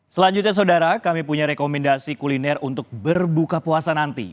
selanjutnya saudara kami punya rekomendasi kuliner untuk berbuka puasa nanti